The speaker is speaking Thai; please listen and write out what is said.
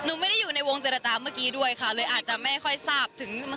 ไม่ได้อยู่ในวงเจรจาเมื่อกี้ด้วยค่ะเลยอาจจะไม่ค่อยทราบถึง